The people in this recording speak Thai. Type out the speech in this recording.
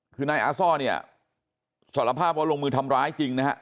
คือนายอาซ่อเนี่ยสารภาพว่าลงมือทำร้ายจริงนะฮะ